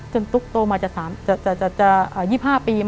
ตุ๊กโตมาจะ๒๕ปี